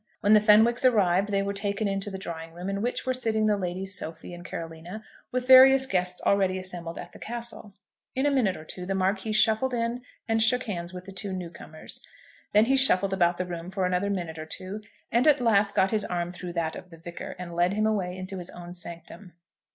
When the Fenwicks arrived, they were taken into the drawing room, in which were sitting the Ladies Sophie and Carolina with various guests already assembled at the Castle. In a minute or two the Marquis shuffled in and shook hands with the two new comers. Then he shuffled about the room for another minute or two, and at last got his arm through that of the Vicar, and led him away into his own sanctum.